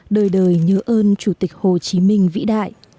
đời đời nhớ ơn chủ tịch hồ chí minh vĩ đại